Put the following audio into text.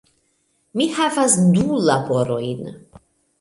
Mi havas du laborojn